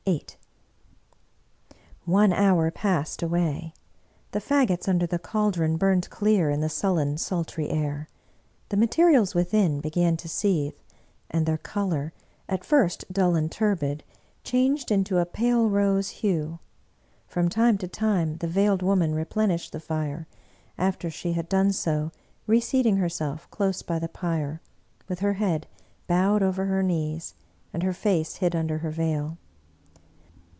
vni One hour passed away; the fagots under the caldron burned clear in the sullen, sultry air. The materials within began to seethe, and their color, at first dull and turbid, changed into a pale rose hue; from time to time the Veiled Woman replenished the fire, after she had done so reseat ing herself close by the pyre, with her head bowed over her knees, and her face hid under her veil.